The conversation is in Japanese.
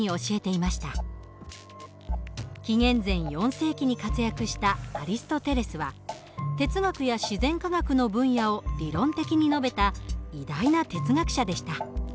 紀元前４世紀に活躍したアリストテレスは哲学や自然科学の分野を理論的に述べた偉大な哲学者でした。